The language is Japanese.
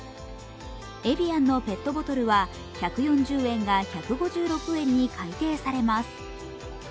エビアンのペットボトルは１４０円が１５６円に改定されます。